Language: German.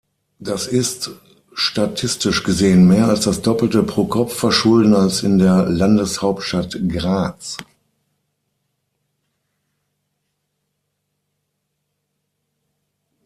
Das ist statistisch gesehen mehr als das doppelte Pro-Kopf-Verschulden als in der Landeshauptstadt Graz.